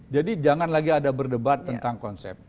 jangan lagi ada berdebat tentang konsep